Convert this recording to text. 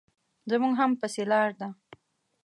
زموږ هم پسې لار ده.